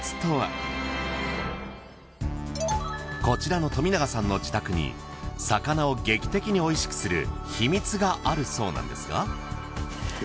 こちらの富永さんの自宅に魚を劇的においしくする秘密があるそうなんですが。